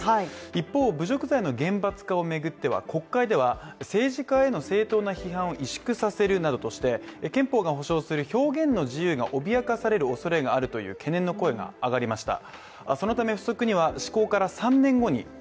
一方、侮辱罪の厳罰化を巡っては、国会では政治家への正当な批判を萎縮させるとして憲法が保障する表現の自由が脅かされるおそれがあるとの懸念の声が上がりました。